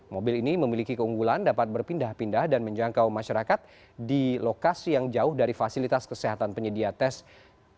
mobil ini memiliki keunggulan dapat berpindah pindah dan menjangkau masyarakat di lokasi yang jauh dari fasilitas kesehatan penyedia test